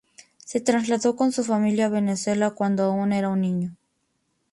Se trasladó con su familia a Venezuela cuando aún era un niño.